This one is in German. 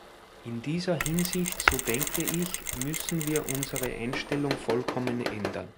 In dieser Hinsicht, so denke ich, müssen wir unsere Einstellung vollkommen ändern.